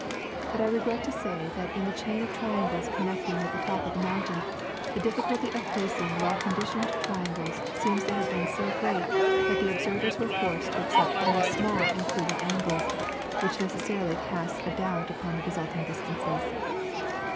But I regret to say that in the chain of triangles connecting with the top of the mount ain, the difficulty of placing well conditioned triangles seems to have been so great that the observers were forced to accept very small included angles, which necessarily casts a doubt upon the resulting distances.